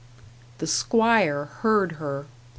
The 'squire heard her.